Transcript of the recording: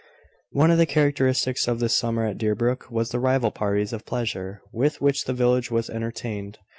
One of the characteristics of this summer at Deerbrook was the rival parties of pleasure with which the village was entertained.